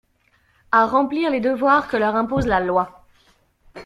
À remplir les devoirs que leur impose la Loi.